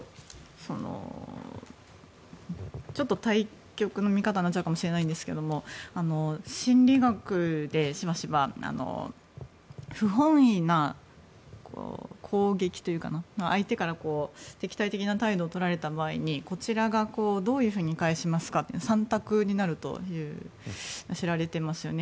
ちょっと対極の見方になっちゃうかもしれませんが心理学でしばしば不本意な攻撃というか相手から敵対的な態度をとられた場合にこちらがどういうふうに返しますかと３択になると知られていますよね。